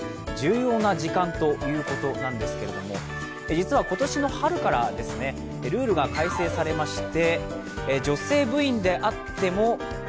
実は今年の春からルールが改正されました。